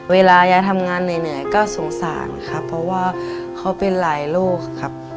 เวลายายทำงานเหนื่อยก็สงสารครับเพราะว่าเขาเป็นหลายโรคครับ